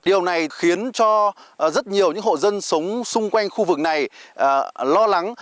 điều này khiến cho rất nhiều những hộ dân sống xung quanh khu vực này lo lắng